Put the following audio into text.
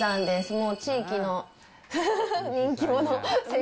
もう地域の人気者。